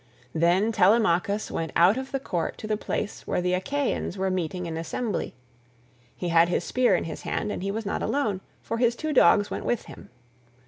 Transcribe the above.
157 Then Telemachus went out of the court to the place where the Achaeans were meeting in assembly; he had his spear in his hand, and he was not alone, for his two dogs went with him.